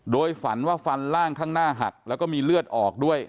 โดยฝันว่าฟันล่างข้างหน้าหักแล้วก็มีเลือดออกด้วย